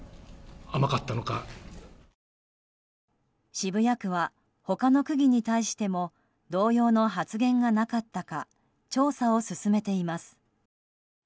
渋谷区は他の区議に対しても同様の発言がなかったか調査を進めています。